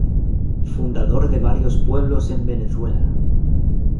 Fundador de varios pueblos en Venezuela.